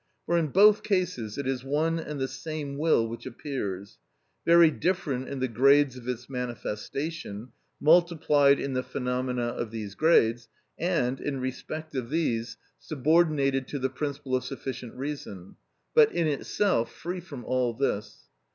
For in both cases it is one and the same will which appears; very different in the grades of its manifestation, multiplied in the phenomena of these grades, and, in respect of these, subordinated to the principle of sufficient reason, but in itself free from all this.